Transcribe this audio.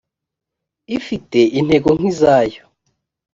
ifite intego nk izayo